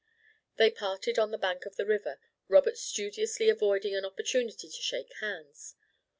They parted on the bank of the river, Robert studiously avoiding an opportunity to shake hands.